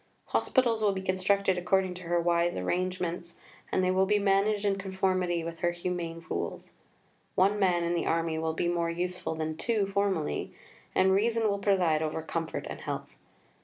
Hospitals will be constructed according to her wise arrangements, and they will be managed in conformity with her humane rules. One man in the army will be more useful than two formerly, and reason will preside over comfort and health.